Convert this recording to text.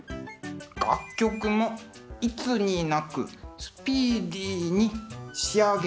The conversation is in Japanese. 楽曲もいつになくスピーディーに仕上げてみました。